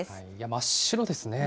真っ白ですね。